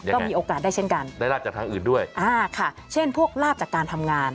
ยังไงได้ลาบจากทางอื่นด้วยค่ะเช่นพวกลาบจากการทำงาน